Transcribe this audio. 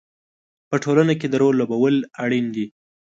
په ټولنه کې د رول لوبول اړین دي.